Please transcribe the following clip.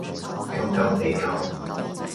救救地球